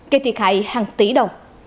kê thiệt hại hàng tỷ đồng